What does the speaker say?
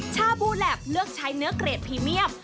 ชาบูแลปเลือกใช้เนื้อเกรดพรีเมียม